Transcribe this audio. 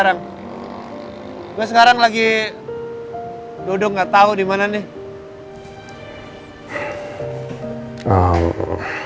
ya udah oke kalau gitu take care siap aman kok